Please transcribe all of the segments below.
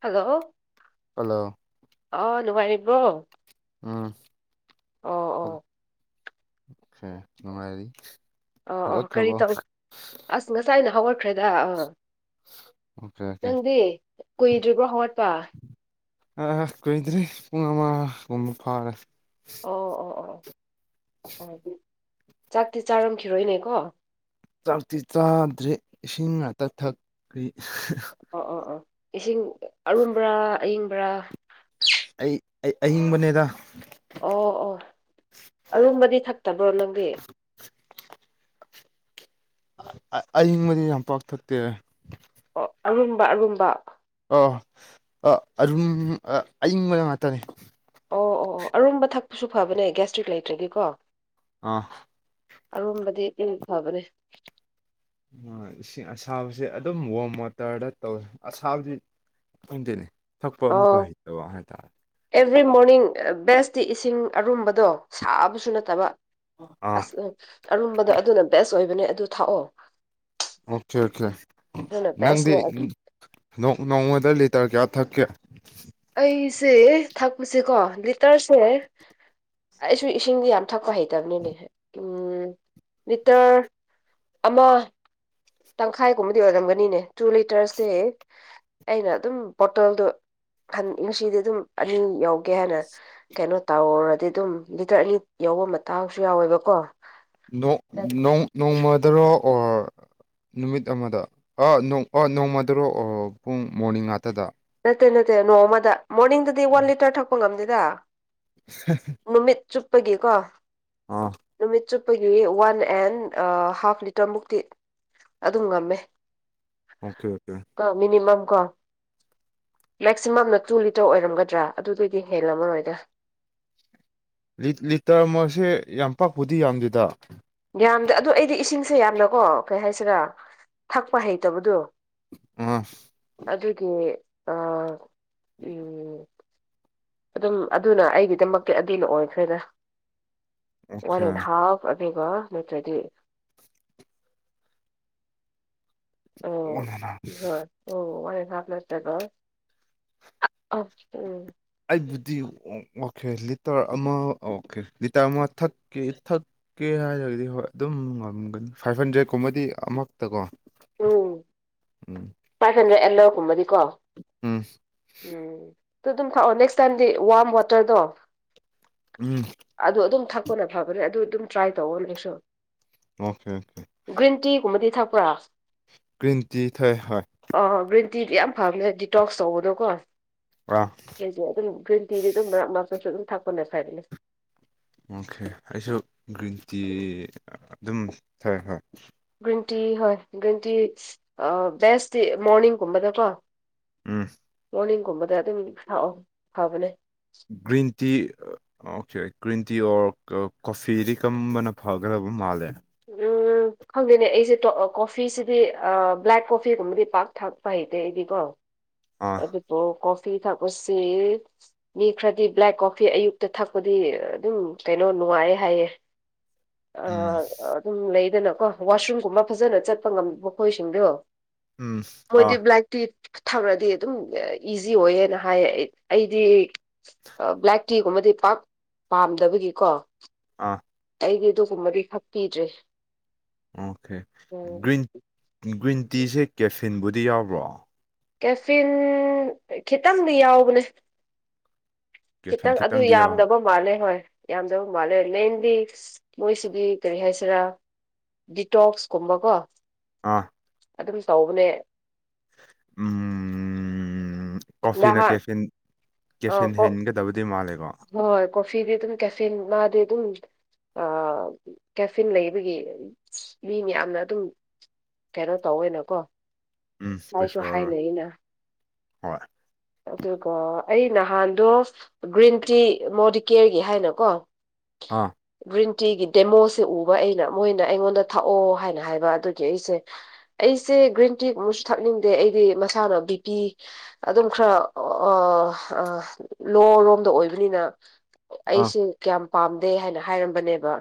hello hello ꯑꯥ ꯅꯨꯉꯥꯏꯔꯤꯕ ꯎꯝ ꯑꯣ ꯅꯨꯡꯉꯥꯏꯔꯤ ꯑꯥ ꯑꯣ ꯀꯔꯤ ꯍꯧꯒꯠꯈ꯭ꯔꯕꯣ ꯇꯧꯅꯤ ꯑꯁ ꯉꯁꯥꯏꯅ ꯍꯧꯔꯛꯈ꯭ꯔꯦꯗ ꯑꯥ ꯑꯣꯈꯦ ꯑꯣꯀꯦ ꯅꯪꯗꯤ ꯀꯨꯏꯗ꯭ꯔꯤꯕ꯭ꯔꯣ ꯍꯧꯒꯠꯄ ꯀꯨꯏꯗ꯭ꯔꯤ ꯄꯨꯡ ꯑꯃꯒꯨꯝꯕ ꯐꯥꯔꯦ ꯑꯣ ꯑꯣ ꯑꯣ ꯑꯗꯨꯗꯤ ꯆꯥꯛꯇꯤ ꯆꯥꯔꯝꯈꯤꯔꯣꯏꯅꯦꯀꯣ ꯆꯥꯛꯇꯤ ꯆꯥꯗ꯭ꯔꯤ ꯏꯁꯤꯡ ꯉꯥꯛꯇ ꯊꯛꯈ꯭ꯔꯤ ꯑꯣ ꯑꯣ ꯑꯣ ꯏꯁꯤꯡ ꯑꯔꯨꯝꯕ꯭ꯔꯥ ꯑꯏꯪꯕ꯭ꯔꯥ ꯑꯩ ꯑꯌꯤꯡꯕꯅꯦꯗ ꯑꯣ ꯑꯣ ꯑꯔꯨꯝꯕꯗꯤ ꯊꯛꯇꯕ꯭ꯔꯣ ꯅꯪꯗꯤ ꯑꯏꯤꯡꯕꯗꯤ ꯌꯥꯝ ꯄꯥꯛ ꯊꯛꯇꯦ ꯑꯣ ꯑꯔꯨꯝꯕ ꯑꯔꯨꯝꯕ ꯑ ꯑ ꯑꯔꯨꯝ ꯑꯌꯤꯡꯕꯗ ꯉꯥꯛꯇꯅꯦ ꯑꯣ ꯑꯣ ꯑꯣ ꯑꯔꯨꯝꯕ ꯊꯛꯄꯁꯨ ꯐꯕꯅꯦ ꯒꯦꯁꯇ꯭ꯔꯤꯛ ꯂꯩꯇ꯭ꯔꯗꯤ ꯀꯣ ꯑꯥ ꯑꯔꯨꯝꯕꯗꯤ ꯌꯥꯝ ꯐꯕꯅꯦ ꯏꯁꯤꯡ ꯑꯁꯥꯕꯁꯦ ꯑꯗꯨꯝ ꯋꯣꯝ ꯋꯥꯇꯔꯗ ꯇꯧꯋꯦ ꯑꯁꯥꯕꯗꯤ ꯈꯪꯗꯦꯅꯦ ꯊꯛꯄ ꯑꯃꯨꯛꯀ ꯑꯣ ꯍꯩꯇꯕ ꯍꯥꯏꯇꯥꯔꯦ ꯑꯦꯕ꯭ꯔꯤ ꯃꯣꯔꯅꯤꯡ ꯕꯦꯁꯇꯤ ꯏꯁꯤꯡ ꯑꯔꯨꯝꯕꯗꯣ ꯁꯥꯕꯁꯨ ꯅꯠꯇꯕ ꯑꯥ ꯑꯁ ꯑꯔꯨꯝꯕꯗꯣ ꯑꯗꯨꯅ ꯕꯦꯁ ꯑꯣꯏꯕꯅꯦ ꯑꯗꯨ ꯊꯥꯛꯑꯣ ꯑꯣꯀꯦ ꯑꯣꯀꯦ ꯑꯗꯨꯅ ꯅꯪꯗꯤ ꯕꯦꯁꯅꯦ ꯅꯣꯡꯃꯗ ꯂꯤꯇꯔ ꯀꯌꯥ ꯊꯛꯀꯦ ꯑꯩꯁꯦ ꯊꯥꯛꯛꯄꯁꯦꯀꯣ ꯂꯤꯇꯔꯁꯦ ꯑꯩꯁꯨ ꯏꯁꯤꯡꯗꯤ ꯌꯥꯝ ꯊꯛꯄ ꯍꯩꯇꯕꯅꯤꯅꯦ ꯎꯝ ꯂꯤꯇꯔ ꯑꯃ ꯇꯪꯈꯥꯏꯒꯨꯝꯕꯗꯤ ꯑꯣꯏꯔꯝꯒꯅꯤꯅꯦ ꯇꯨ ꯂꯤꯇꯔꯁꯦ ꯑꯩꯅ ꯑꯗꯨꯝ ꯕꯣꯇꯜꯗꯣ ꯉꯁꯤꯗꯤ ꯑꯗꯨꯝ ꯑꯅꯤ ꯌꯧꯒꯦ ꯍꯥꯏꯅ ꯀꯩꯅꯣ ꯇꯧꯔꯔꯗꯤ ꯑꯗꯨꯝ ꯂꯤꯇꯔ ꯑꯅꯤ ꯌꯧꯕ ꯃꯇꯥꯡꯁꯨ ꯌꯥꯎꯋꯦꯕꯀꯣ ꯅꯣꯡꯃꯗꯔꯣ ꯑꯣꯔ ꯅꯨꯃꯤꯠ ꯑꯃꯗ ꯅꯣꯡꯃꯗꯨꯔꯣ ꯄꯨꯡ ꯃꯣꯔꯅꯤꯡ ꯉꯥꯛꯇꯗ ꯅꯠꯇꯦ ꯅꯠꯇꯦ ꯅꯣꯡꯃꯗ ꯃꯣꯔꯅꯤꯡꯗꯗꯤ ꯋꯥꯟ ꯂꯤꯇꯔ ꯊꯛꯄ ꯉꯝꯗꯦꯗ [unintelligible] ꯅꯨꯃꯤꯠ ꯆꯨꯞꯄꯒꯤꯀꯣ ꯑꯥ ꯅꯨꯃꯤꯠ ꯆꯨꯞꯄꯒꯤ ꯋꯥꯟ ꯑꯦꯟ ꯍꯥꯐ ꯂꯤꯇꯔ ꯃꯨꯛꯇꯤ ꯑꯗꯨꯝ ꯉꯝꯃꯦ ꯑꯣꯀꯦ ꯑꯣꯀꯦ ꯀꯣ ꯃꯤꯅꯤꯃꯝ ꯀꯣ ꯃꯦꯛꯁꯤꯃꯝꯅ ꯇꯨ ꯂꯤꯇꯔ ꯑꯣꯏꯔꯝꯒꯗ꯭ꯔꯥ ꯑꯗꯨꯗꯩꯩꯗꯤ ꯍꯦꯜꯂꯝꯃꯔꯣꯏꯗ ꯂꯤꯇꯔ ꯑꯥꯃꯁꯦ ꯌꯥꯝ ꯄꯥꯛꯄꯨꯗꯤ ꯌꯥꯝꯗꯦꯗ ꯌꯥꯝꯗꯦ ꯑꯗꯣ ꯑꯩꯗꯤ ꯏꯁꯤꯡꯁꯦ ꯌꯥꯝꯅꯀꯣ ꯀꯩ ꯍꯥꯏꯁꯤꯔꯥ ꯊꯛꯄ ꯍꯩꯇꯕꯗꯣ ꯑꯝ ꯑꯗꯨꯒꯤ ꯑꯗꯨꯝ ꯑꯗꯨꯅ ꯑꯩꯒꯤꯗꯃꯛꯇꯤ ꯑꯗꯨꯅ ꯑꯣꯏꯈ꯭ꯔꯣꯏꯗ ꯑꯣꯀꯦ ꯋꯥꯟ ꯑꯦꯟ ꯍꯥꯐ ꯑꯗꯨꯒ ꯅꯠꯇ꯭ꯔꯗꯤ ꯑꯧ ꯍꯣꯏ ꯑꯣ ꯋꯥꯟ ꯑꯦꯟ ꯍꯥꯐ ꯅꯠꯇꯔ꯭ꯒ ꯑꯩꯕꯨꯗꯤ ꯑꯣꯀꯦ ꯂꯤꯇꯔ ꯑꯃ ꯑꯣꯀꯦ ꯂꯤꯇꯔ ꯑꯃ ꯊꯥꯛꯀꯦ ꯊꯥꯛ ꯀꯦ ꯍꯥꯏꯔꯒꯗꯤ ꯍꯣꯏ ꯑꯗꯨꯝ ꯉꯝꯒꯅꯤ ꯐꯥꯏꯚ ꯍꯟꯗ꯭ꯔꯦꯠ ꯀꯨꯝꯕꯗꯤ ꯑꯃꯔꯛꯇ ꯀꯣ ꯎꯝ ꯎꯝ ꯐꯥꯏꯚ ꯍꯟꯗ꯭ꯔꯦ ꯑꯦꯜꯂꯣꯒꯨꯝꯕꯗꯤꯀꯣ ꯎꯝ ꯎꯝ ꯗꯨ ꯗꯨꯝ ꯊꯥꯛꯑꯣ ꯅꯦꯛꯁ ꯇꯥꯏꯝꯗꯤ ꯋꯥꯔꯝ ꯋꯥꯇꯔꯗꯣ ꯎꯝ ꯑꯗꯨ ꯑꯗꯨꯝ ꯊꯛꯄꯅ ꯐꯕꯅꯦ ꯑꯗꯨ ꯑꯗꯨꯝ ꯇ꯭ꯔꯥꯏ ꯇꯧꯋꯣ ꯅꯪꯁꯨ ꯑꯣꯀꯦ ꯑꯣꯀꯦ ꯒ꯭ꯔꯤꯟ ꯇꯤꯒꯨꯝꯕꯗꯤ ꯊꯛꯄ꯭ꯔꯥ ꯒ꯭ꯔꯤꯟ ꯇꯤ ꯊꯥꯛꯑꯦ ꯍꯣꯏ ꯑ ꯒ꯭ꯔꯤꯟ ꯇꯤꯗꯤ ꯌꯥꯝ ꯐꯕꯅꯦ ꯗꯤꯇꯣꯛꯁ ꯇꯧꯕꯗꯣꯀꯣ ꯄꯨꯔ ꯑꯩꯖꯨ ꯑꯗꯨꯝ ꯒ꯭ꯔꯤꯟ ꯇꯤꯗꯤ ꯑꯗꯨꯝ ꯃꯔꯛ ꯃꯔꯛꯁꯨ ꯑꯗꯨꯝ ꯊꯥꯛꯄꯅꯦ [unintelligible] ꯑꯣꯀꯦ ꯑꯩꯁꯨ ꯒ꯭ꯔꯤꯟ ꯇꯤ ꯑꯗꯨꯝ ꯊꯥꯛꯑꯦ ꯍꯣꯏ ꯒ꯭ꯔꯤꯟ ꯇꯤ ꯍꯣꯏ ꯒ꯭ꯔꯤꯟ ꯇꯤ ꯑ ꯕꯦꯁꯇꯤ ꯃꯣꯔꯅꯤꯡꯒꯨꯝꯕꯗꯀꯣ ꯎꯝ ꯃꯣꯔꯅꯤꯡꯒꯨꯝꯕꯗ ꯑꯗꯨꯝ ꯊꯥꯛꯑꯣ ꯐꯕꯅꯦ ꯒ꯭ꯔꯤꯟ ꯇꯤ ꯑ ꯑꯣꯀꯦ ꯒꯤꯔꯤꯟ ꯇꯤ ꯑꯣꯔ ꯀꯣꯐꯤꯗꯤ ꯀꯔꯝꯕꯅ ꯐꯒꯗꯕ ꯃꯥꯜꯂꯦ ꯎꯝ ꯈꯪꯗꯦꯅꯦ ꯑꯩꯁꯦ ꯀꯣꯐꯤꯁꯤꯗꯤ ꯑ ꯕ꯭ꯂꯦꯛ ꯀꯣꯐꯤꯒꯨꯝꯕꯗꯤ ꯄꯥꯛ ꯊꯥꯛꯄ ꯍꯩꯇꯦ ꯑꯩꯗꯤ ꯀꯣ ꯑꯥ ꯑꯗꯨꯕꯨ ꯀꯣꯐꯤ ꯊꯥꯛꯄ ꯁꯤ ꯃꯤ ꯈꯔꯗꯤ ꯕ꯭ꯂꯦꯛ ꯀꯣꯐꯤ ꯑꯌꯨꯛꯇ ꯊꯛꯄꯗꯤ ꯑꯗꯨꯝ ꯀꯩꯅꯣ ꯅꯨꯡꯉꯥꯏꯌ‌ꯦ ꯍꯥꯏꯌꯦ ꯑ ꯎꯝ ꯑꯗꯨꯝ ꯂꯩꯗꯅꯀꯣ ꯋꯥꯁꯔꯨꯝꯒꯨꯝꯕ ꯐꯖꯅ ꯆꯠꯄ ꯉꯝꯗꯕ ꯃꯈꯣꯏꯁꯤꯡꯗꯣ ꯎꯝ ꯑꯥ ꯃꯣꯏꯗꯤ ꯕ꯭ꯂꯦꯛ ꯇꯤ ꯇꯛꯔꯗꯤ ꯗꯨꯝ ꯏꯖꯤ ꯑꯣꯏꯌꯦꯅ ꯍꯥꯏꯌꯦ ꯑꯩ ꯑꯩꯗꯤ ꯕ꯭ꯂꯦꯛ ꯇꯤꯒꯨꯝꯕꯗꯤ ꯄꯥꯛ ꯄꯥꯝꯗꯕꯒꯤꯀꯣ ꯑꯥ ꯑꯩꯗꯤ ꯑꯗꯨꯒꯨꯝꯕꯗꯤ ꯊꯛꯄꯤꯗ꯭ꯔꯦ ꯑꯣꯀꯦ ꯎꯝ ꯒ꯭ꯔꯤꯟ ꯒ꯭ꯔꯤꯟ ꯇꯤꯁꯦ ꯀꯦꯐꯤꯟꯕꯨꯗꯤ ꯌꯥꯎꯕ꯭ꯔꯣ ꯀꯦꯐꯤꯟ ꯈꯤꯇꯪꯗꯤ ꯌꯥꯎꯕꯅꯦ ꯀꯦꯐꯤꯟ ꯈꯤꯇꯪ ꯑꯗꯨ ꯈꯤꯇꯪꯗꯤ ꯌꯥꯎ ꯌꯥꯝꯗꯕ ꯃꯥꯜꯂꯦ ꯍꯣꯏ ꯌꯥꯝꯗꯕ ꯃꯥꯜꯂꯦ ꯃꯦꯟꯂꯤ ꯃꯣꯏꯁꯤꯗꯤ ꯀꯔꯤ ꯍꯥꯏꯁꯤꯔꯥ ꯗꯤꯇꯣꯛꯁ ꯀꯨꯝꯕꯀꯣ ꯑꯥ ꯑꯗꯨꯝ ꯇꯧꯕꯅꯦ ꯎꯝ [unintelligible] ꯀꯣꯐꯤꯅ ꯅꯍꯥꯟ ꯀꯦꯐꯤꯟ ꯑ ꯀꯦꯐꯤꯟ ꯍꯦꯟꯒꯗꯕꯗꯤ ꯃꯥꯜꯂꯦꯀꯣ ꯍꯣꯏ ꯀꯣꯐꯤꯗꯤ ꯑꯗꯨꯝ ꯀꯦꯐꯤꯟ ꯃꯥꯗꯤ ꯑꯗꯨꯝ ꯑ ꯀꯦꯐꯤꯟ ꯂꯩꯕꯒꯤ ꯃꯤ ꯃꯌꯥꯝꯅ ꯑꯗꯨꯝ ꯀꯩꯅꯣ ꯇꯧꯋꯦꯅ ꯀꯣ ꯎꯝ ꯄ꯭ꯔꯤꯐꯔ ꯍꯣꯏ ꯑꯗꯨꯒ ꯑꯩ ꯅꯍꯥꯟꯗꯣ ꯒ꯭ꯔꯤꯟ ꯇꯤ ꯃꯣꯗꯤꯀꯦꯔꯒꯤ ꯍꯥꯏꯅ ꯀꯣ ꯑꯥ ꯒ꯭ꯔꯤꯟ ꯇꯤꯒꯤ ꯗꯦꯃꯣꯁꯦ ꯎꯕ ꯑꯩꯅ ꯃꯣꯏꯅ ꯑꯩꯉꯣꯟꯗ ꯊꯥꯛꯑꯣ ꯍꯥꯏꯅ ꯍꯥꯏꯕ ꯑꯗꯨꯒꯤ ꯑꯩꯁꯦ ꯑꯩꯁꯦ ꯒ꯭ꯔꯤꯟ ꯇꯤꯒꯨꯝꯁꯨ ꯊꯛꯅꯤꯡꯗꯦ ꯑꯩꯗꯤ ꯃꯁꯥꯅ ꯕꯤ ꯄꯤ ꯑꯗꯨꯝ ꯈꯔ ꯑꯥ ꯑꯥ ꯂꯣꯔꯣꯝꯗ ꯑꯣꯏꯕꯅꯤꯅ ꯑꯥ ꯑꯩꯁꯤ ꯀꯌꯥꯝ ꯄꯥꯝꯗꯦ ꯍꯥꯏꯅ ꯍꯥꯏꯔꯝꯕꯅꯦꯕ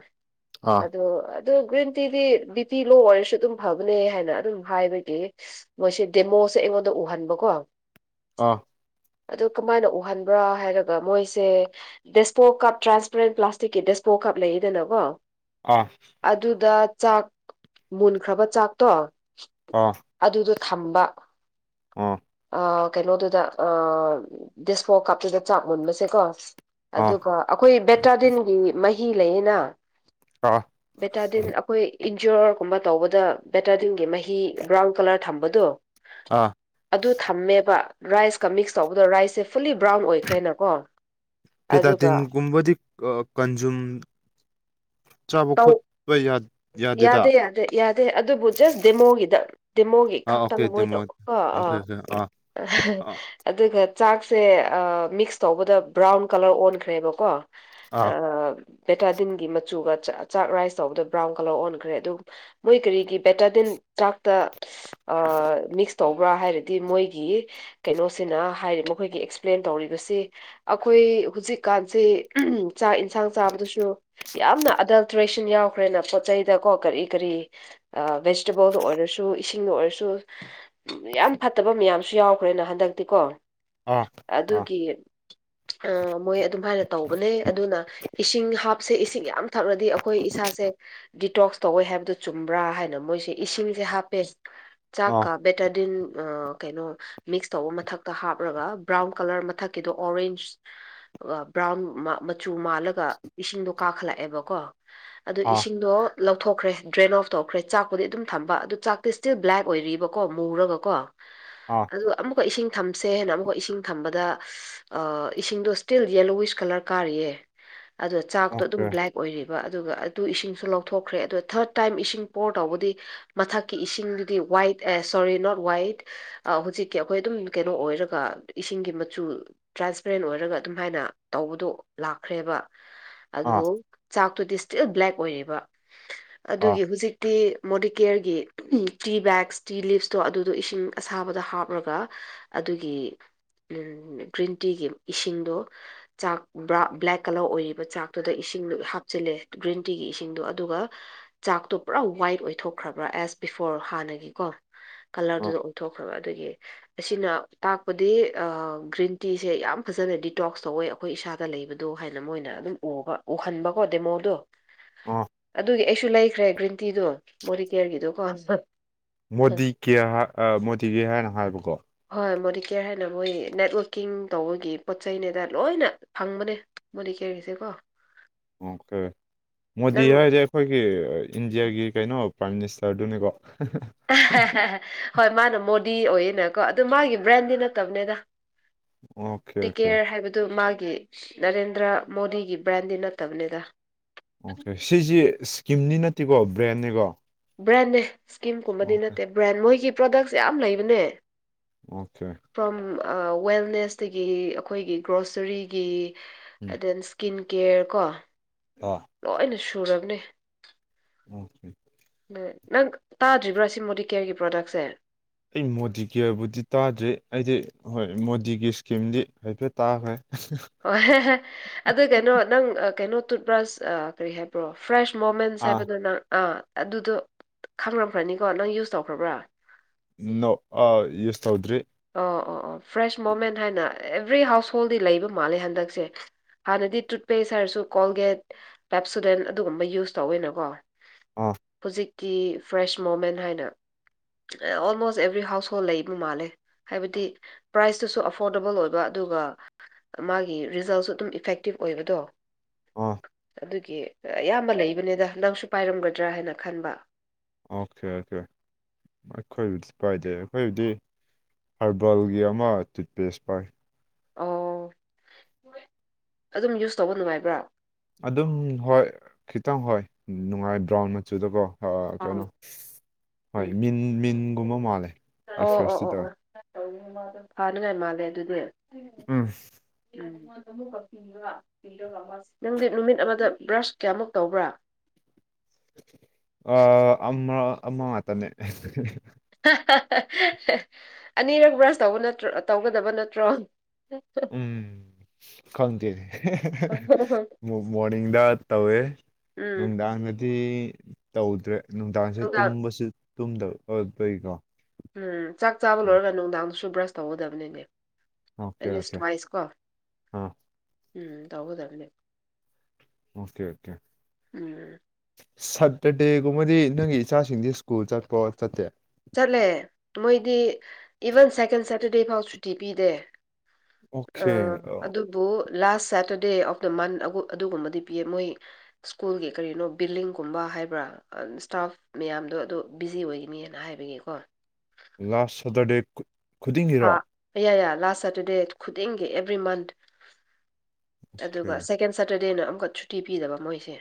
ꯑꯥ ꯑꯗꯨ ꯑꯗꯨ ꯒ꯭ꯔꯤꯟ ꯇꯤꯗꯤ ꯕꯤ ꯄꯤ ꯂꯣ ꯑꯣꯏꯔꯁꯨ ꯑꯗꯨꯝ ꯐꯕꯅꯦ ꯍꯥꯏꯅ ꯑꯗꯨꯝ ꯍꯥꯏꯕꯒꯤ ꯃꯣꯏꯁꯦ ꯗꯦꯃꯣꯁꯦ ꯑꯩꯉꯣꯟꯗ ꯎꯍꯟꯕ ꯀꯣ ꯑꯥ ꯑꯗꯨ ꯀꯃꯥꯏꯅ ꯎꯍꯟꯕ꯭ꯔꯥ ꯍꯥꯏꯔꯒ ꯃꯣꯏꯁꯦ ꯗꯦꯁꯄꯣ ꯀꯞ ꯇ꯭ꯔꯥꯟꯁꯄꯦꯔꯦꯟ ꯄ꯭ꯂꯥꯁꯇꯤꯛꯀꯤ ꯗꯦꯁꯄꯣ ꯀꯞ ꯂꯩꯌꯦꯗꯅ ꯀꯣ ꯑꯥ ꯑꯗꯨꯗ ꯆꯥꯛ ꯃꯨꯟꯈ꯭ꯔꯕ ꯆꯥꯛꯇꯣ ꯑꯥ ꯑꯗꯨꯗ ꯊꯝꯕ ꯑꯥ ꯑꯥ ꯀꯩꯅꯣꯗꯨꯗ ꯑꯥ ꯗꯤꯁꯄꯣ ꯀꯞꯇꯨꯗ ꯆꯥꯛ ꯃꯨꯟꯕꯁꯦ ꯀꯣ ꯑꯥ ꯑꯗꯨꯒ ꯑꯩꯈꯣꯏ ꯕꯦꯇꯥꯗꯤꯟꯒꯤ ꯃꯍꯤ ꯂꯩꯌꯦꯅ ꯑꯥ ꯕꯦꯇꯥꯗꯤꯟ ꯑꯩꯈꯣꯏ ꯏꯟꯖꯣꯔꯒꯨꯝꯕ ꯇꯧꯕꯗ ꯕꯦꯇꯥꯗꯤꯟꯒꯤ ꯃꯍꯤ ꯕ꯭ꯔꯥꯎꯟ ꯀꯂꯔ ꯊꯝꯕꯗꯣ ꯑꯥ ꯑꯗꯨ ꯊꯝꯃꯦꯕ ꯔꯥꯏꯁꯀ ꯃꯤꯛꯁ ꯇꯧꯕꯗꯣ ꯔꯥꯏꯁꯁꯦ ꯐꯨꯜꯂꯤ ꯕ꯭ꯔꯥꯎꯟ ꯑꯣꯏꯈ꯭ꯔꯦꯅ ꯀꯣ ꯑꯗꯨꯒ ꯒꯨꯝꯕꯗꯤ ꯑꯥ ꯀꯟꯖꯨꯝ ꯆꯥꯕ ꯇꯧ ꯈꯣꯠꯄ ꯌꯥ ꯌꯥꯗꯦꯗ ꯌꯥꯗꯦ ꯌꯥꯗꯦ ꯌꯥꯗꯦ ꯑꯗꯨꯕꯨ ꯖꯁ ꯗꯦꯃꯣꯒꯤꯗ ꯗꯤꯃꯣꯒꯤ ꯑꯥ ꯈꯛꯇꯪ ꯑꯣꯀꯦ ꯗꯦꯃꯣ ꯃꯣꯏꯗꯨ ꯀꯣ ꯑꯣꯀꯦ ꯑꯥ ꯑꯣꯀꯦ ꯑꯥ ꯑꯥ ꯑꯗꯨꯒ ꯆꯥꯛꯁꯦ ꯑꯥ ꯃꯤꯛꯁ ꯇꯧꯕꯗ ꯕ꯭ꯔꯥꯎꯟ ꯀꯂꯔ ꯑꯣꯟꯈ꯭ꯔꯦꯕ ꯀꯣ ꯑꯥ ꯕꯦꯇꯥꯗꯤꯟꯒꯤ ꯃꯆꯨꯒ ꯆꯥꯛ ꯔꯥꯏꯁ ꯇꯧꯕꯗꯨ ꯕ꯭ꯔꯥꯎꯟ ꯀꯂꯔ ꯑꯣꯟꯈ꯭ꯔꯦ ꯑꯗꯨ ꯃꯣꯏ ꯀꯔꯤꯒꯤ ꯕꯦꯟꯇꯗꯤꯟ ꯆꯥꯛꯇ ꯑꯥ ꯃꯤꯛꯁ ꯇꯧꯕ꯭ꯔꯥ ꯍꯥꯏꯔꯗꯤ ꯃꯣꯏꯒꯤ ꯀꯩꯅꯣꯁꯤꯅ ꯍꯥꯏꯔꯤ ꯃꯈꯣꯏꯒꯤ ꯑꯦꯛꯁꯄ꯭ꯂꯦꯟ ꯇꯧꯔꯤꯕꯁꯤ ꯑꯩꯈꯣꯏ ꯍꯨꯖꯤꯛ ꯀꯥꯟꯁꯤ ꯎꯝ ꯆꯥꯛ ꯏꯟꯁꯥꯡ ꯆꯥꯕꯗꯨꯁꯨ ꯌꯥꯝꯅ ꯑꯗꯜꯇ꯭ꯔꯦꯁꯟ ꯌꯥꯎ ꯈ꯭ꯔꯦꯅ ꯄꯣꯠ ꯆꯩꯗ ꯀꯣ ꯀꯔꯤ ꯀꯔꯤ ꯚꯦꯖꯤꯇꯦꯕꯜꯗ ꯑꯣꯏꯔꯁꯨ ꯏꯁꯤꯡꯗ ꯑꯣꯏꯔꯁꯨ ꯌꯥꯝ ꯐꯠꯇꯕ ꯃꯌꯥꯝꯁꯨ ꯌꯥꯎꯈ꯭ꯔꯦꯅ ꯍꯟꯗꯛꯇꯤ ꯀꯣ ꯑꯥ ꯑꯗꯨꯒꯤ ꯑꯥ ꯃꯣꯏ ꯑꯗꯨꯝ ꯃꯥꯏꯅ ꯇꯧꯕꯅꯦ ꯑꯗꯨꯅ ꯏꯁꯤꯡ ꯍꯥꯞꯁꯦ ꯏꯁꯤꯡ ꯌꯥꯝ ꯊꯛꯂꯗꯤ ꯑꯩꯈꯣꯏ ꯏꯁꯥ ꯁꯦ ꯗꯤꯇꯣꯛꯁ ꯇꯧꯋꯦ ꯍꯥꯏꯕꯗ ꯆꯨꯝꯕ꯭ꯔꯥ ꯍꯥꯏꯅ ꯃꯣꯏꯁꯦ ꯏꯁꯤꯡꯁꯦ ꯍꯥꯞꯄꯦ ꯑꯥ ꯆꯥꯛꯀ ꯑꯥ ꯕꯦꯇꯥꯗꯤꯟ ꯑꯥ ꯀꯩꯅꯣ ꯃꯤꯛꯁ ꯇꯧꯕ ꯃꯊꯛꯇ ꯍꯥꯞꯔꯒ ꯕ꯭ꯔꯥꯎꯟ ꯀꯂꯔ ꯃꯊꯛꯀꯤꯗꯣ ꯑꯣꯔꯦꯟꯖ ꯕ꯭ꯔꯥꯎꯟ ꯃꯆꯨ ꯃꯥꯜꯂꯒ ꯏꯁꯤꯡꯗꯣ ꯀꯥꯈꯠꯂꯛꯑꯦꯕ ꯀꯣ ꯑꯗꯨ ꯑꯥ ꯏꯁꯤꯡꯗꯣ ꯂꯧꯊꯣꯛꯈ꯭ꯔꯦ ꯗ꯭ꯔꯦꯟ ꯑꯣꯐ ꯇꯧꯈ꯭ꯔꯦ ꯆꯥꯛꯄꯨꯗꯤ ꯑꯗꯨꯝ ꯊꯝꯕ ꯑꯗꯨ ꯆꯥꯛꯇꯤ ꯁ꯭ꯇꯤꯜ ꯕ꯭ꯂꯦꯛ ꯑꯣꯏꯔꯤꯕ ꯀꯣ ꯃꯨꯔꯒ ꯀꯣ ꯑꯥ ꯑꯗꯨꯒ ꯑꯃꯨꯛꯀ ꯏꯁꯤꯡ ꯊꯝꯁꯦ ꯍꯥꯏꯅ ꯑꯃꯨꯛꯀ ꯏꯁꯤꯡ ꯊꯝꯕꯗ ꯑꯥ ꯏꯁꯤꯡꯗꯣ ꯁ꯭ꯇꯤꯜ ꯌꯦꯜꯂꯣꯋꯤꯁ ꯀꯂꯔ ꯀꯥꯔꯤꯌꯦ ꯑꯗꯣ ꯆꯥꯛꯇꯣ ꯑꯗꯨꯝ ꯑꯣꯀꯦ ꯕ꯭ꯂꯦꯛ ꯑꯣꯏꯔꯤꯕ ꯑꯗꯨꯒ ꯇꯨ ꯏꯁꯤꯡꯁꯨ ꯂꯧꯊꯣꯛꯈ꯭ꯔꯦ ꯑꯗ ꯊꯔꯠ ꯇꯥꯏꯝ ꯏꯁꯤꯡ ꯄꯣꯔ ꯇꯧꯕꯗꯤ ꯃꯊꯛꯀꯤ ꯏꯁꯤꯡꯗꯨꯗꯤ ꯋꯥꯏꯠ ꯑꯦ ꯁꯣꯔꯤ ꯅꯣꯠ ꯋꯥꯏꯠ ꯑ ꯥꯍꯧꯖꯤꯛꯀꯤ ꯑꯩꯈꯣꯏ ꯑꯗꯨꯝ ꯀꯩꯅꯣ ꯑꯣꯏꯔꯒ ꯏꯁꯤꯡꯒꯤ ꯃꯆꯨ ꯇ꯭ꯔꯥꯟꯁꯄꯦꯔꯦꯟ ꯑꯣꯏꯔꯒ ꯑꯗꯨꯝ ꯍꯥꯏꯅ ꯇꯧꯕꯗꯨ ꯂꯥꯛꯈ꯭ꯔꯦꯕ ꯑꯥ ꯑꯗꯨꯕꯨ ꯆꯥꯛꯇꯨꯗꯤ ꯁ꯭ꯇꯤꯜ ꯕ꯭ꯂꯦꯛ ꯑꯣꯏꯔꯤꯕ ꯑꯥ ꯑꯗꯨꯒꯤ ꯍꯨꯖꯤꯛ ꯇꯤ ꯃꯣꯗꯤꯀꯦꯌꯔꯒꯤ ꯇꯤ ꯕꯦꯛꯁ ꯇꯤ ꯂꯤꯞꯁꯇꯨ ꯑꯗꯨꯗꯣ ꯏꯁꯤꯡ ꯑꯁꯥꯕꯗ ꯍꯥꯞꯔꯒ ꯑꯗꯨꯒꯤ ꯒ꯭ꯔꯤꯟ ꯇꯤꯒꯤ ꯏꯁꯤꯡꯗꯨ ꯆꯥꯛ ꯕ꯭ꯂꯦꯛ ꯀꯂꯔ ꯑꯣꯏꯔꯤꯕ ꯆꯥꯛꯇꯨꯗ ꯏꯁꯤꯡꯗꯨ ꯍꯥꯞꯆꯤꯜꯂꯦ ꯒ꯭ꯔꯤꯟ ꯇꯤꯒꯤ ꯏꯁꯤꯡꯗꯨ ꯑꯗꯨꯒ ꯆꯥꯛꯇꯣ ꯄꯨꯔꯥ ꯋꯥꯏꯠ ꯑꯣꯏꯊꯣꯛꯈ꯭ꯔꯕ꯭ꯔꯥ ꯑꯦꯁ ꯕꯤꯐꯣꯔ ꯍꯥꯟꯅꯒꯤ ꯀꯣ ꯑꯥ ꯀꯂꯔꯗꯨꯗ ꯑꯣꯟꯊꯣꯛꯈ꯭ꯔꯕ ꯑꯗꯨꯒꯤ ꯑꯁꯤꯅ ꯇꯥꯛꯄꯗꯤ ꯑꯥ ꯒ꯭ꯔꯤꯟ ꯇꯤꯁꯦ ꯌꯥꯝ ꯐꯖꯅ ꯗꯤꯇꯣꯛꯁ ꯇꯧꯋꯦ ꯑꯩꯈꯣꯏ ꯏꯁꯥꯗ ꯂꯩꯕꯗꯨ ꯍꯥꯏꯅ ꯃꯣꯏꯅ ꯑꯗꯨꯝ ꯎꯕ ꯎꯍꯟꯕꯀꯣ ꯗꯦꯃꯣꯗꯣ ꯑꯣ ꯑꯗꯨꯒꯤ ꯑꯩꯁꯨ ꯂꯩꯈ꯭ꯔꯦ ꯒ꯭ꯔꯤꯟ ꯇꯤꯗꯨ ꯃꯣꯗꯤꯀꯌꯔꯒꯤꯗꯣꯀꯣ ꯃꯣꯗꯤ ꯀꯦꯌꯔ ꯑꯥ ꯃꯣꯗꯤ ꯀꯦꯌꯔ ꯍꯥꯏꯅ ꯍꯥꯏꯕꯀꯣ ꯍꯣꯏ ꯃꯣꯗꯤꯀꯦꯌꯔ ꯍꯥꯏꯅ ꯃꯣꯏꯒꯤ ꯅꯦꯠꯋꯔꯀꯤꯡ ꯇꯧꯕꯒꯤ ꯄꯣꯠ ꯆꯩꯅꯦꯗ ꯂꯣꯏꯅ ꯐꯪꯕꯅꯦ ꯃꯣꯗꯤ ꯀꯦꯔ ꯒꯤꯁꯦ ꯀꯣ ꯑꯣ ꯀꯦ ꯃꯣꯗꯤ ꯅꯪ ꯍꯥꯏꯖꯦ ꯑꯩꯈꯣꯏꯒꯤ ꯏꯟꯗꯤꯌꯥꯒꯤ ꯀꯩꯅꯣ ꯄ꯭ꯔꯥꯏꯝ ꯃꯤꯅꯤꯁꯇꯔꯗꯨꯅꯦꯀꯣ ꯑꯦ ꯍꯦ ꯍꯦ ꯍꯦ ꯍꯣꯏ ꯃꯥꯅ ꯃꯣꯗꯤ ꯑꯣꯏꯌꯦꯅꯀꯣ ꯑꯗꯨ ꯃꯥꯒꯤ ꯕ꯭ꯔꯦꯟꯗꯤ ꯅꯠꯇꯕꯅꯦꯗ ꯑꯣꯀꯦ ꯇꯤ ꯑꯣꯀꯦ ꯀꯦꯌꯔ ꯍꯥꯏꯕ ꯑꯗꯨ ꯃꯥꯒꯤ ꯅꯔꯦꯟꯗ꯭ꯔ ꯃꯣꯗꯤꯒꯤ ꯕ꯭ꯔꯥꯟꯗꯤ ꯅꯠꯇꯕꯅꯦꯗ ꯑꯣꯀꯦ ꯁꯤꯁꯤ ꯁ꯭ꯀꯤꯝꯗꯤ ꯅꯠꯇꯦꯀꯣ ꯕ꯭ꯔꯦꯟꯅꯦꯀꯣ ꯕ꯭ꯔꯦꯟꯅꯦ ꯁ꯭ꯀꯤꯝ ꯀꯨꯝꯕꯗꯤ ꯅꯠꯇꯦ ꯕ꯭ꯔꯦꯟ ꯃꯣꯏꯒꯤ ꯄ꯭ꯔꯣꯗꯛꯁ ꯌꯥꯝ ꯂꯩꯕꯅꯦ ꯑꯣꯀꯦ ꯐ꯭ꯔꯣꯝ ꯑꯥ ꯋꯦꯜꯅꯦꯁꯇꯒꯤ ꯑꯩꯈꯣꯏꯒꯤ ꯒ꯭ꯔꯣꯁꯔꯤꯒꯤ ꯑꯦꯟ ꯗꯦꯟ ꯁ꯭ꯀꯤꯟ ꯀꯦꯌꯔ ꯀꯣ ꯑꯣ ꯂꯣꯏꯅ ꯁꯨꯔꯕꯅꯦ ꯑꯣꯀꯦ ꯅꯦ ꯅꯪ ꯇꯥꯗ꯭ꯔꯤꯕ꯭ꯔꯥ ꯁꯤ ꯃꯣꯗꯤ ꯀꯦꯌꯔꯒꯤ ꯄ꯭ꯔꯣꯗꯛꯁꯦ ꯑꯩ ꯃꯣꯗꯤ ꯀꯦꯌꯔꯕꯨꯗꯤ ꯇꯥꯗ꯭ꯔꯤ ꯑꯩꯗꯤ ꯍꯣꯏ ꯃꯣꯗꯤꯒꯤ ꯏꯁꯀꯤꯝꯗꯤ ꯍꯥꯏꯐꯦꯠ ꯇꯥꯈ꯭ꯔꯦ ꯑꯣ ꯍꯦ ꯍꯦ ꯑꯗꯨ ꯀꯩꯅꯣ ꯅꯪ ꯑꯥ ꯀꯩꯅꯣ ꯇꯨꯠꯕ꯭ꯔꯥꯁ ꯑꯥ ꯀꯔꯤ ꯍꯥꯏ ꯄ꯭ꯔꯣ ꯐ꯭ꯔꯦꯁ ꯃꯣꯃꯦꯟꯁ ꯑꯥ ꯍꯥꯏꯕꯗꯣ ꯅꯪ ꯑꯥ ꯑꯗꯨꯗꯣ ꯈꯪꯔꯝꯈ꯭ꯔꯅꯤꯀꯣ ꯅꯪ ꯌꯨꯁ ꯇꯧꯈ꯭ꯔꯕ꯭ꯔꯥ ꯅꯣ ꯑꯥ ꯌꯨꯁ ꯇꯧꯗ꯭ꯔꯤ ꯑꯣ ꯑꯣ ꯑꯣ ꯐ꯭ꯔꯦꯁ ꯃꯣꯃꯦꯟ ꯍꯥꯏꯅ ꯑꯦꯕ꯭ꯔꯤ ꯍꯥꯎꯁ ꯍꯣꯜꯗꯤ ꯂꯩꯕ ꯃꯥꯜꯂꯦ ꯍꯟꯗꯛꯁꯦ ꯍꯥꯟꯅꯗꯤ ꯇꯨꯠꯄꯦꯁ ꯍꯥꯏꯔꯁꯨ ꯀꯣꯜꯒꯦꯠ ꯄꯦꯞꯁꯨꯗꯦꯟ ꯑꯗꯨꯒꯨꯝꯕ ꯌꯨꯁ ꯇꯧꯋꯦꯅꯀꯣ ꯑꯣ ꯍꯨꯖꯤꯛꯇꯤ ꯐ꯭ꯔꯦꯁ ꯃꯣꯃꯦꯟ ꯍꯥꯏꯅ ꯑꯣꯜꯃꯣꯁ ꯑꯦꯕ꯭ꯔꯤ ꯍꯥꯎꯁ ꯍꯣꯜ ꯂꯩ ꯕ ꯃꯥꯜꯂꯦ ꯍꯥꯏꯕꯗꯤ ꯄ꯭ꯔꯥꯏꯁꯇꯨꯁꯨ ꯑꯐꯣꯔꯗꯦꯕꯜ ꯑꯣꯏꯕ ꯑꯗꯨꯒ ꯃꯥꯒꯤ ꯔꯤꯖꯜꯁꯨ ꯑꯗꯨꯝ ꯏꯐꯦꯛꯇꯤꯞ ꯑꯣꯏꯕꯗꯣ ꯑꯣ ꯑꯗꯨꯒꯤ ꯑꯌꯥꯝꯕ ꯂꯩꯕꯅꯦꯗ ꯅꯪꯁꯨ ꯄꯥꯏꯔꯝꯒꯗ꯭ꯔꯥ ꯍꯥꯏꯅ ꯈꯟꯕ ꯑꯣꯀꯦ ꯑꯣꯀꯦ ꯑꯩꯈꯣꯏꯕꯨꯗꯤ ꯄꯥꯏꯗꯦ ꯑꯩꯈꯣꯏꯕꯨꯗꯤ ꯍꯥꯔꯕꯜꯒꯤ ꯑꯃ ꯇꯨꯠꯄꯦꯁ ꯄꯥꯏ ꯑꯣ ꯑꯗꯨꯝ ꯌꯨꯁ ꯇꯧꯕ ꯅꯨꯡꯉꯥꯏꯕ꯭ꯔꯥ ꯑꯗꯨꯝ ꯍꯣꯏ ꯈꯤꯇꯪ ꯍꯣꯏ ꯅꯨꯡꯉꯥꯏ ꯕ꯭ꯔꯥꯎꯟ ꯃꯆꯨꯗꯣꯀꯣ ꯑꯥ ꯀꯩꯅꯣ ꯍꯣꯏ ꯎꯝ ꯃꯤꯟ ꯃꯤꯟꯒꯨꯝꯕ ꯃꯥꯜꯂꯦ ꯑꯣ ꯔꯤꯐ꯭ꯔꯦꯁꯇꯤ ꯑꯣ ꯇꯧꯋꯦ ꯑꯣ ꯑꯣ ꯐꯥꯅꯤꯉꯥꯏ ꯃꯥꯜꯂꯦ ꯑꯗꯨꯗꯤ ꯎꯝ ꯎꯝ [unintelligible] ꯅꯪꯗꯤ ꯅꯨꯃꯤꯠ ꯑꯃꯗ ꯕ꯭ꯔꯁ ꯀꯌꯥꯃꯨꯛ ꯇꯧꯕ꯭ꯔꯥ ꯑꯥ ꯑꯃꯔ ꯑꯃ ꯉꯛꯇꯅꯦ ꯑꯅꯤꯔꯛ ꯕ꯭ꯔꯁ ꯇꯧꯕ ꯅꯇ꯭ꯔꯣ ꯇꯧꯒꯗꯕ ꯅꯠꯇ꯭ꯔꯣ ꯎꯝ ꯈꯪꯗꯦ ꯃꯣ ꯃꯣꯔꯅꯤꯡꯗ ꯇꯧꯋꯦ ꯎꯝ ꯅꯨꯡꯗꯥꯡꯉꯗꯤ ꯇꯧꯗ꯭ꯔꯦ ꯅꯨꯡꯗꯥꯡꯁꯦ ꯅꯨꯡꯗꯥꯡ ꯇꯨꯝꯕꯁꯨ ꯇꯨꯝꯗꯕ ꯑꯠ ꯒꯩ ꯒꯣ ꯎꯝ ꯆꯥꯛ ꯆꯥꯕ ꯂꯣꯏꯔꯒ ꯅꯨꯡꯗꯥꯡꯗꯨꯁꯨ ꯕ꯭ꯔꯁ ꯇꯧꯒꯗꯝꯅꯤꯅꯦ ꯑꯦꯠ ꯑꯣꯀꯦ ꯂꯤꯁ ꯑꯣꯀꯦ ꯇ꯭ꯋꯥꯏꯁꯀꯣ ꯑꯥ ꯎꯝ ꯇꯧꯒꯗꯝꯅꯦ ꯑꯣꯀꯦ ꯑꯣꯀꯦ ꯎꯝ ꯁꯠꯇꯔꯗꯦꯒꯨꯝꯕꯗꯤ ꯅꯪꯒꯤ ꯏꯆꯥꯁꯤꯡꯗꯤ ꯁ꯭ꯀꯨꯜ ꯆꯠꯄꯣ ꯆꯠꯇꯦ ꯆꯠꯂꯦ ꯃꯣꯏꯗꯤ ꯏꯚꯟ ꯁꯦꯀꯦꯟ ꯁꯦꯇꯔꯗꯦ ꯐꯥꯎ ꯁꯨꯇꯤ ꯄꯤꯗꯦ ꯑꯣꯀꯦ ꯑꯥ ꯑꯗꯨ__ ꯕꯨ ꯂꯥꯁ ꯁꯦꯇꯔꯗꯦ ꯑꯣꯐ ꯗꯥ ꯃꯟ ꯑꯥꯎꯒꯨ ꯑꯗꯨꯒꯨꯝꯕꯗꯤ ꯄꯤꯌꯦ ꯃꯣꯏ ꯁ꯭ꯀꯨꯜꯒꯤ ꯀꯔꯤꯅꯣ ꯕꯤꯜꯂꯤꯡꯒꯨꯝꯕ ꯍꯥꯏꯕ꯭ꯔꯥ ꯑꯥ ꯁ꯭ꯇꯥꯐ ꯃꯌꯥꯝꯗꯣ ꯑꯗꯨ ꯕꯤꯖꯤ ꯑꯣꯏꯒꯅꯤꯅ ꯍꯥꯏꯕꯒꯤꯀꯣ ꯂꯥꯁ ꯁꯇꯔꯗꯦ ꯀꯨꯠ__ ꯍꯥ ꯏꯌꯥ ꯌꯥ ꯂꯥꯁ ꯁꯇꯔꯗꯦ ꯈꯨꯗꯤꯡꯒꯤ ꯑꯦꯚ꯭ꯔꯤ ꯃꯟꯠ ꯑꯗꯨꯒ ꯑꯣꯀꯦ ꯁꯦꯀꯦꯟ ꯁꯇꯔꯗꯦꯅ ꯑꯃꯨꯛꯀ ꯁꯨꯇꯤ ꯄꯤꯗꯕ ꯃꯣꯏꯁꯦ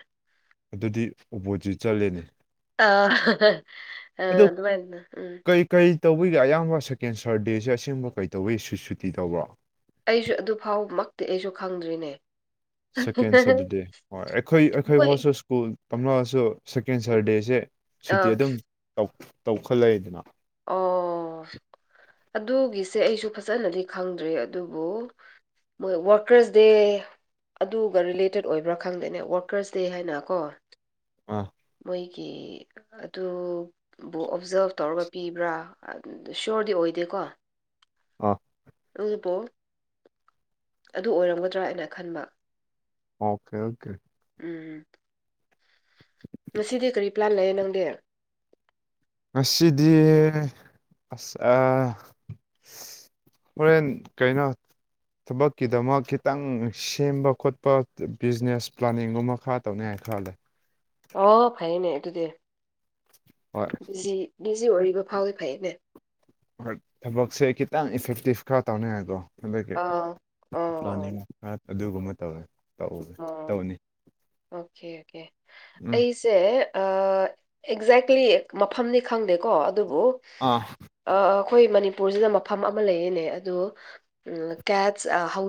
ꯑꯗꯨꯗꯤ ꯑꯣꯄꯣꯖꯤꯠ ꯆꯠꯂꯦꯅꯦ ꯑꯥ ꯑꯥ ꯑꯗꯨ ꯑꯗꯨꯃꯥꯏꯅ ꯎꯝ ꯀꯩ ꯀꯩ ꯇꯧꯕꯤꯒꯤ ꯑꯌꯥꯝꯕ ꯁꯦꯀꯦꯟ ꯁꯔꯗꯦꯁꯦ ꯑꯁꯦꯡꯕ ꯀꯩ ꯇꯧꯕꯩ ꯁꯨ ꯁꯨꯇꯤ ꯇꯧꯕ꯭ꯔꯣ ꯑꯩꯁꯨ ꯑꯗꯨꯐꯥꯎꯃꯛꯇꯤ ꯑꯩꯁꯨ ꯈꯪꯗ꯭ꯔꯤꯅꯦ ꯁꯦꯀꯦꯟ ꯁꯦꯗꯔꯗꯦ ꯍꯣꯏ ꯑꯩꯈꯣꯏ ꯑꯩꯈꯣꯏ ꯃꯣꯏ ꯐꯥꯎꯁꯨ ꯁ꯭ꯀꯨꯜ ꯇꯝꯂꯥꯑꯁꯨ ꯁꯦꯀꯦꯟ ꯁꯔꯗꯦꯁꯦ ꯁꯨꯇꯤ ꯑ ꯑꯗꯨꯝ ꯇꯧ ꯇꯧꯈꯠꯂꯛꯑꯦꯗꯅ ꯑꯣ ꯑꯗꯨꯒꯤꯁꯦ ꯑꯩꯁꯨ ꯐꯖꯅꯗꯤ ꯈꯪꯗ꯭ꯔꯦ ꯑꯗꯨꯕꯨ ꯃꯣꯏ ꯋꯥꯔꯀꯔꯁ ꯗꯦ ꯑꯗꯨꯒ ꯔꯤꯂꯦꯇꯦꯠ ꯑꯣꯏꯕ꯭ꯔꯥ ꯈꯪꯗꯦꯅꯦ ꯋꯥꯛꯀꯔꯁ ꯗꯦ ꯍꯥꯏꯅ ꯀꯣ ꯑꯥ ꯃꯣꯏꯒꯤ ꯑꯗꯨꯕꯨ ꯑꯣꯞꯖꯥꯐ ꯇꯧꯔꯒ ꯄꯤꯕ꯭ꯔꯥ__ ꯑꯗꯨꯟꯗꯟ ꯁꯣꯔꯗꯤ ꯑꯣꯏꯗꯦꯀꯣ ꯑꯥ ꯑꯗꯨꯕꯣ ꯑꯗꯨ ꯑꯣꯏꯔꯝꯒꯗ꯭ꯔꯥ ꯑꯥꯢꯅ ꯈꯟꯕ ꯑꯥꯎꯈꯦ ꯑꯣꯀꯦ ꯎꯝ ꯉꯁꯤꯗꯤ ꯀꯔꯤ ꯄ꯭ꯂꯥꯟ ꯂꯩꯌꯦ ꯅꯪꯗꯤ ꯉꯁꯤꯗꯤ ꯑꯁ ꯑꯥ ꯍꯨꯔꯦꯟ ꯀꯩꯅꯣ ꯊꯕꯛꯀꯤꯗꯃꯛ ꯈꯤꯇꯪ ꯁꯦꯝꯕ ꯈꯣꯠꯄ ꯇ ꯕꯤꯖꯤꯅꯦꯁ ꯄ꯭ꯂꯥꯅꯤꯡꯉꯨꯝꯕ ꯈꯔ ꯇꯧꯅꯤꯉꯥꯢ ꯈꯔ ꯂꯩ ꯑꯣ ꯐꯩꯌꯦꯅꯦ ꯑꯗꯨꯗꯤ ꯍꯣꯢ ꯕꯤꯖꯤ ꯕꯤꯖꯤ ꯑꯣꯏꯔꯤꯕ ꯐꯥꯎꯗꯤ ꯐꯩꯌꯦꯅꯦ ꯍꯣꯏ ꯊꯕꯛꯁꯦ ꯈꯤꯇꯪ ꯏꯐꯦꯛꯇꯤꯞ ꯈꯔ ꯇꯧꯅꯤꯉꯥꯢ ꯀꯣ ꯍꯟꯗꯛꯀꯤ ꯑꯥ ꯑꯣ ꯄ꯭ꯂꯥꯅꯤꯡ ꯑꯣ ꯍꯥ ꯑꯗꯨꯒꯨꯝꯕ ꯇꯧꯋꯦ ꯇꯧ ꯇꯧꯅꯤ ꯑꫭꯈꯦ ꯑꯣꯀꯦ ꯎꯝ ꯑꯩ ꯁꯦ ꯑꯥ ꯑꯦꯛꯖꯦꯛꯂꯤ ꯃꯐꯝꯗꯤ ꯈꯪꯗꯦꯀꯣ ꯑꯗꯨꯕꯨ ꯑꯥ ꯑꯥ ꯑꯈꯣꯏ ꯃꯅꯤꯄꯨꯔꯖꯤꯗ ꯃꯐꯝ ꯑꯃ ꯂꯩꯌꯦꯅꯦ ꯑꯗꯣ ꯎꯝ ꯀꯦꯠꯁ ꯍꯧ